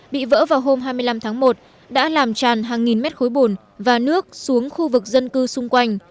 bị vỡ vào hôm hai mươi năm tháng một đã làm tràn hàng nghìn mét khối bùn và nước xuống khu vực dân cư xung quanh